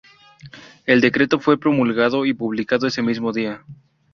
El decreto fue promulgado y publicado ese mismo día.